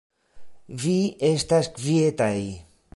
Vi estas kvietaj.